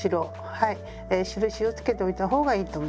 はい印をつけておいた方がいいと思います。